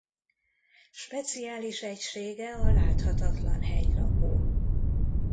Speciális egysége a láthatatlan hegylakó.